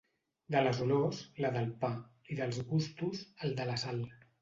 De les olors, la del pa, i dels gustos, el de la sal.